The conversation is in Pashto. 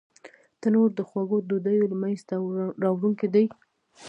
تنور د خوږو ډوډیو مینځ ته راوړونکی دی